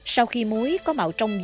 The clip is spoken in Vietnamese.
sau khi muối có màu trắng